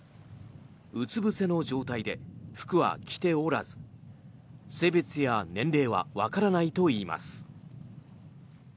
うつぶせの状態で服は着ておらず性別や年齢はわからないといいます。